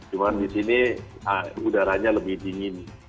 cuma di sini udaranya lebih dingin